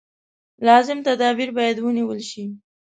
لازم تدابیر باید ونېول شي.